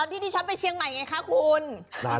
ตอนที่ดิชอปไปเชียงใหม่ไงคะคุณ